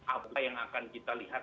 apa yang akan kita lihat